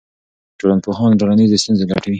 ټولنپوهان ټولنیزې ستونزې لټوي.